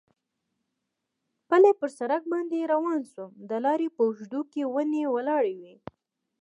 پلی پر سړک باندې روان شوم، د لارې په اوږدو کې ونې ولاړې وې.